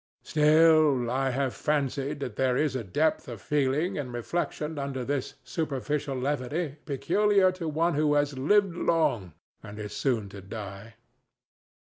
Still, I have fancied that there is a depth of feeling and reflection under this superficial levity peculiar to one who has lived long and is soon to die.